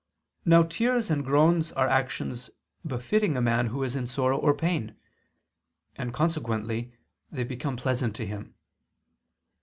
Now tears and groans are actions befitting a man who is in sorrow or pain; and consequently they become pleasant to him.